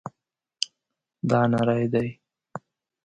دا نری دی